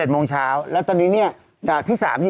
๑๑โมงเช้าแล้วตอนนี้เนี่ย